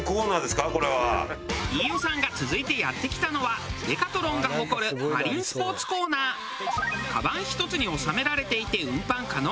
飯尾さんが続いてやって来たのはデカトロンが誇るかばん１つに収められていて運搬可能。